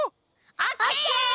オッケー！